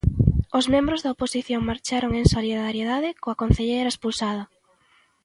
Os membros da oposición marcharon en solidariedade coa concelleira expulsada.